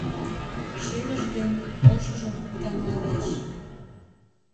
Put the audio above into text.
Шемыж ден ошыжым таҥлалеш.